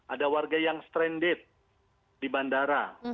ada warga yang stranded di bandara